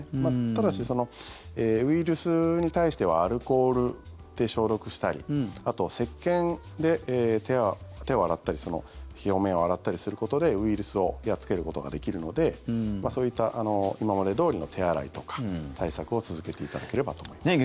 ただし、ウイルスに対してはアルコールで消毒したりあと、せっけんで手を洗ったり表面を洗ったりすることでウイルスをやっつけることができるのでそういった今までどおりの手洗いとか対策を続けていただければと思います。